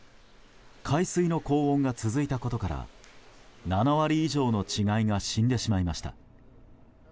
海水の高温が続いたことから７割以上の稚貝が死んでしまいました。